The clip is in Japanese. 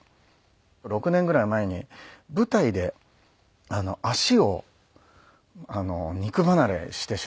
６年ぐらい前に舞台で足を肉離れしてしまいまして。